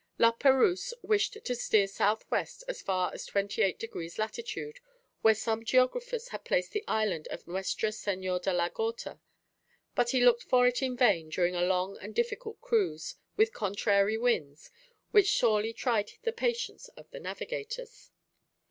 La Perouse wished to steer S.W. as far as 28 degrees lat., where some geographers had placed the island of Nuestra Señora de la Gorta. But he looked for it in vain during a long and difficult cruise, with contrary winds, which sorely tried the patience of the navigators.